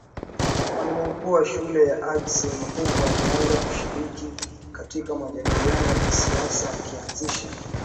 mwalimu mkuu wa shule ya Axim Huko alianza kushiriki katika majadiliano ya kisiasa akaanzisha